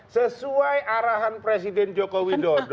sesuai arahan presiden joko widodo